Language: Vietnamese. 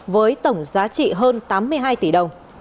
với tổng giá trị hơn tám mươi hai tỷ đồng